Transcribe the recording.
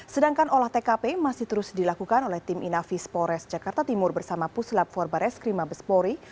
sedangkan olah tkp masih terus dilakukan oleh tim inafis polres jakarta timur bersama pusilap forbares krimabespori